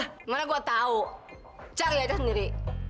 kemana gua tahu cari aja sendiri